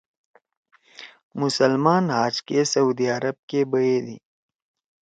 مسلمان حج کے سعودی عرب کے بیَدی۔